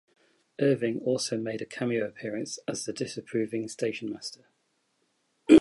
Irving also made a cameo appearance as the disapproving stationmaster.